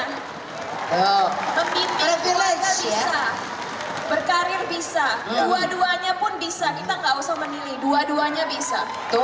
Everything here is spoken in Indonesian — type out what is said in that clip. memimpin berkarir bisa dua duanya pun bisa kita gak usah menilih dua duanya bisa